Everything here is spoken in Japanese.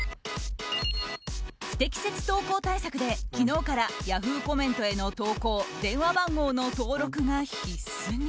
不適切投稿対策で昨日からヤフーコメントへの投稿電話番号の登録が必須に。